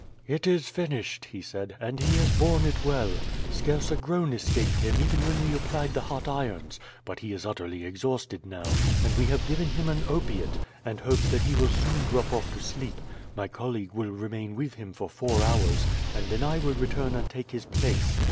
"It is finished," he said, "and he has borne it well. Scarce a groan escaped him, even when we applied the hot irons; but he is utterly exhausted now, and we have given him an opiate, and hope that he will soon drop off to sleep. My colleague will remain with him for four hours, and then I will return and take his place.